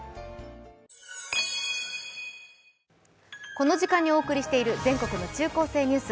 この時間にお送りしている全国の「中高生ニュース」。